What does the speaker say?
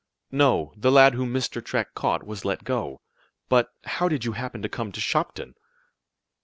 "No, the lad whom Mr. Track caught was let go. But how did you happen to come to Shopton?"